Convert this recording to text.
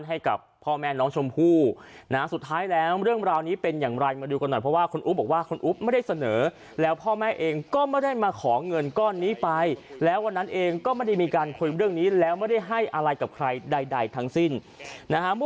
ให้กับพ่อแม่น้องชมพู่นะสุดท้ายแล้วเรื่องราวนี้เป็นอย่างไรมาดูกันหน่อยเพราะว่าคุณอุ๊บบอกว่าคุณอุ๊บไม่ได้เสนอแล้วพ่อแม่เองก็ไม่ได้มาขอเงินก้อนนี้ไปแล้ววันนั้นเองก็ไม่ได้มีการคุยเรื่องนี้แล้วไม่ได้ให้อะไรกับใครใดทั้งสิ้นนะฮะ